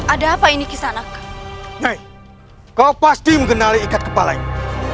ada apa ini kisah anak kau pasti mengenali ikat kepalanya